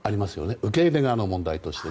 受け入れ側の問題として。